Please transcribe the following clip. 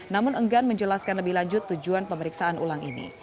namun enggan menjelaskan lebih lanjut tujuan pemeriksaan ulang ini